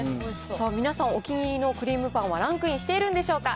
皆さん、お気に入りのクリームパンはランクインしているんでしょうか。